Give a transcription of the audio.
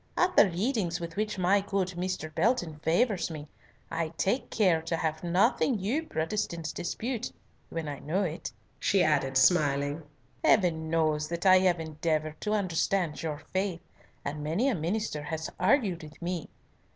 At the readings with which my good Mr. Belton favours me, I take care to have nothing you Protestants dispute when I know it." She added, smiling, "Heaven knows that I have endeavoured to understand your faith, and many a minister has argued with me.